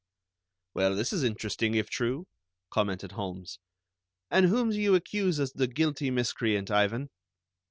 "Well, this is interesting, if true," commented Holmes. "And whom do you accuse as the guilty miscreant, Ivan?"